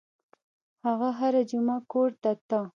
هغه هره جمعه کور ته ته.